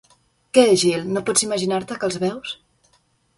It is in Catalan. Què, Jill, no pots imaginar-te que els veus?